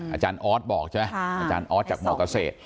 อาจารย์ออสบอกใช่ไหมอาจารย์ออสจากหมอเกษตร